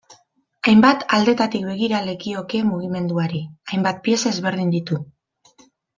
Hainbat aldetatik begira lekioke mugimenduari, hainbat pieza ezberdin ditu.